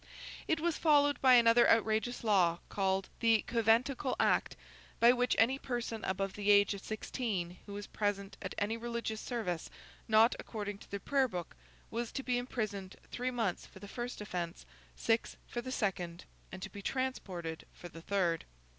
It was followed by another outrageous law, called the Conventicle Act, by which any person above the age of sixteen who was present at any religious service not according to the Prayer Book, was to be imprisoned three months for the first offence, six for the second, and to be transported for the third.